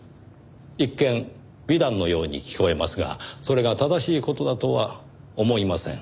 一見美談のように聞こえますがそれが正しい事だとは思いません。